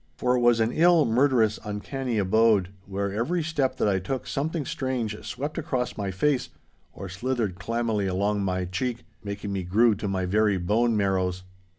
For it was an ill, murderous, uncanny abode, where every step that I took something strange swept across my face or slithered clammily along my cheek, making me grue to my very bone marrows.